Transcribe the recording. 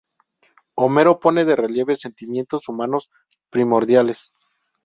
Homero pone de relieve sentimientos humanos primordiales.